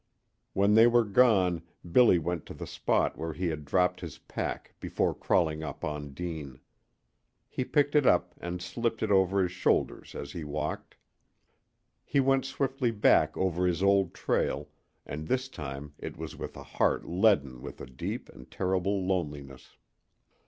When they were gone Billy went to the spot where he had dropped his pack before crawling up on Deane. He picked it up and slipped it over his shoulders as he walked. He went swiftly back over his old trail, and this time it was with a heart leaden with a deep and terrible loneliness.